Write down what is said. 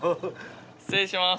失礼します。